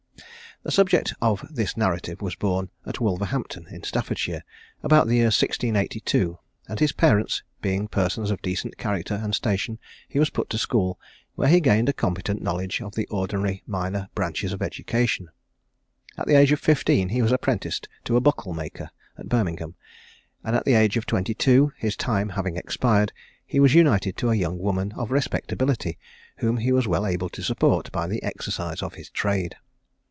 The subject of this narrative was born at Wolverhampton in Staffordshire, about the year 1682; and his parents being persons of decent character and station, he was put to school, where he gained a competent knowledge of the ordinary minor branches of education. At the age of fifteen he was apprenticed to a buckle maker, at Birmingham; and at the age of twenty two, his time having expired, he was united to a young woman of respectability, whom he was well able to support by the exercise of his trade.